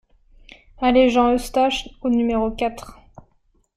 Allée Jean Eustache au numéro quatre